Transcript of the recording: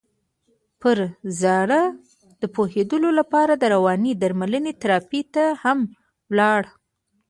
پر راز د پوهېدو لپاره د روانې درملنې تراپۍ ته هم ولاړ.